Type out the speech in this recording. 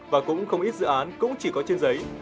và cũng không ít dự án cũng chỉ có trên giấy